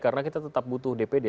karena kita tetap butuh dpd